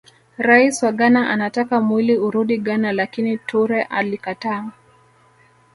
Rais wa Ghana Anataka mwili urudi Ghana lakini Toure alikataa